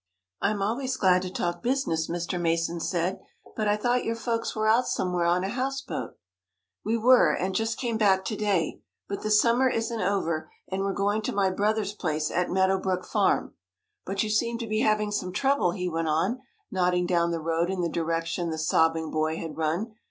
"I'm always glad to talk business," Mr. Mason said, "but I thought your folks were out somewhere on a houseboat." "We were, and just came back to day. But the summer isn't over, and we're going to my brother's place, at Meadow Brook Farm. But you seem to be having some trouble," he went on, nodding down the road in the direction the sobbing boy had run.